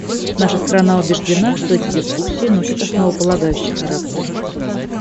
Наша страна убеждена, что эти дискуссии носят основополагающий характер.